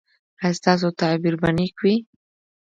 ایا ستاسو تعبیر به نیک وي؟